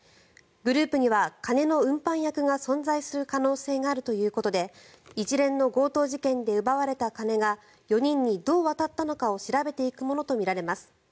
グループには金の運搬役が存在する可能性があるということで一連の強盗事件で奪われた金が４人にどう渡ったのかを調べていくものとみられます。